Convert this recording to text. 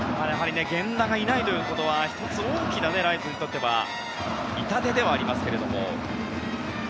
源田がいないということは１つ大きなライオンズにとっては痛手ではありますけど。